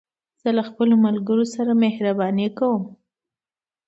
زه له خپلو ملګرو سره مهربانې کوم.